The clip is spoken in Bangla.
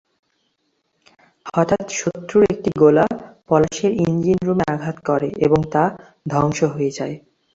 হঠাৎ শত্রুর একটি গোলা পলাশের ইঞ্জিন রুমে আঘাত করে এবং তা ধ্বংস হয়ে যায়।